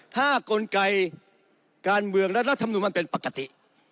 ถ้ากลไกการเมืองรัฐมนุนมันเป็นปกติ